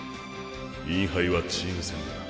インハイはチーム戦だ。